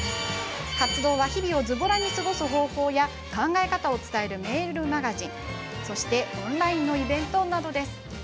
活動は、日々をズボラに過ごす方法や考え方を伝えるメールマガジン、そしてオンラインでのイベントなど。